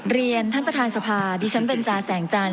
เรียนท่านประธานสภาดิฉันเบนจาแสงจันท